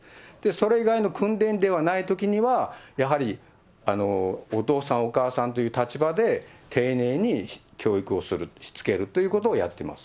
それ以外の訓練ではないときには、やはりお父さん、お母さんという立場で、ていねいに教育をする、しつけるということをやってます。